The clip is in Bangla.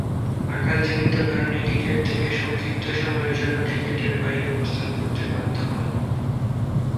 আঘাতজনিত কারণে ক্রিকেট থেকে সংক্ষিপ্ত সময়ের জন্য ক্রিকেটের বাইরে অবস্থান করতে বাধ্য হন।